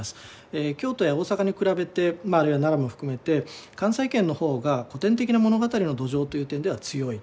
京都や大阪に比べてあるいは長野も含めて関西圏の方が古典的な物語の土壌という点では強い。